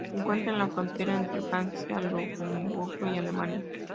Se encuentra en la frontera entre Francia, Luxemburgo y Alemania.